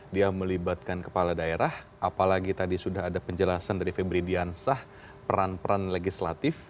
dia melibatkan kepala daerah apalagi tadi sudah ada penjelasan dari febri diansah peran peran legislatif